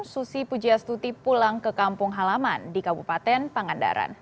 susi pujastuti pulang ke kampung halaman di kabupaten pangandaran